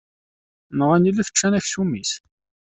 Nɣan ilef, ččan aksum-is.